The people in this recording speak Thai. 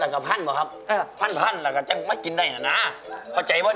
ใช่แล้วก็ไม่ถึงด้วย